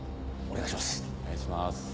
お願いします。